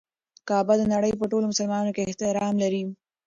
کعبه د نړۍ په ټولو مسلمانانو کې احترام لري.